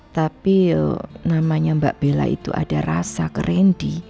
tapi namanya mbak bella itu ada rasa ke randy